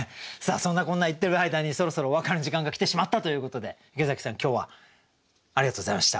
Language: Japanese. そんなこんな言ってる間にそろそろお別れの時間が来てしまったということで池崎さん今日はありがとうございました。